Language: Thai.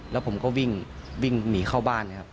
แล้วผมก็วิ่งหนีเข้าบ้านนะครับ